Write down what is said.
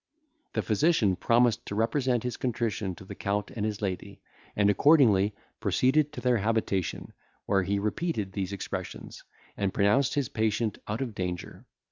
The physician promised to represent his contrition to the Count and his lady, and accordingly proceeded to their habitation, where he repeated these expressions, and pronounced his patient out of danger.